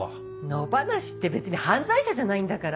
野放しって別に犯罪者じゃないんだから。